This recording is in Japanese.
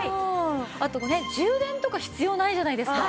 あとこうね充電とか必要ないじゃないですか。